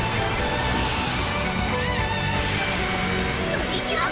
プリキュア！